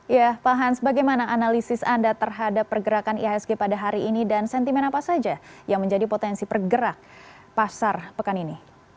ya pak hans bagaimana analisis anda terhadap pergerakan ihsg pada hari ini dan sentimen apa saja yang menjadi potensi pergerak pasar pekan ini